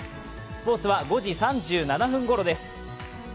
スポーツは５時３７分ごろです。